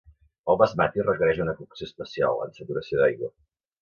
El Basmati requerix una cocció especial, en saturació d'aigua.